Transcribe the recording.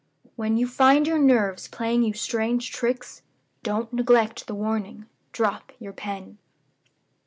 When you find your nerves playing you strange tricks, don't neglect the warning drop your pen.